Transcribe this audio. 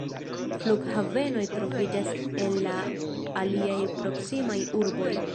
Flughavenoj troviĝas en la aliaj proksimaj urboj.